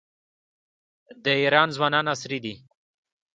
د ایران ځوانان عصري دي.